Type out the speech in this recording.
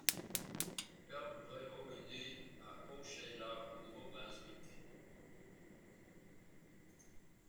Herb Breau est né le à Haut-Sheila, au Nouveau-Brunswick.